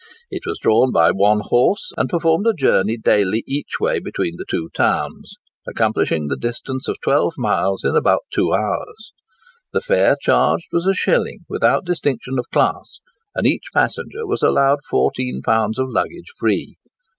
It was drawn by one horse, and performed a journey daily each way between the two towns, accomplishing the distance of twelve miles in about two hours. The fare charged was a shilling without distinction of class; and each passenger was allowed fourteen pounds of luggage free.